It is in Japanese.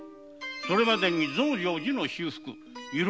それまでに増上寺の修復遺漏